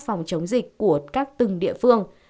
phòng chống dịch của các từng địa phương